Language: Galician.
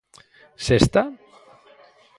Sesta?